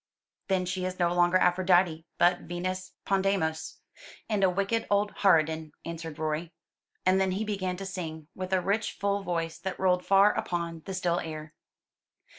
"Then she is no longer Aphrodite, but Venus Pandemos, and a wicked old harridan," answered Rorie. And then he began to sing, with a rich full voice that rolled far upon the still air.